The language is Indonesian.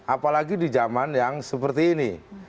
apalagi di zaman yang seperti ini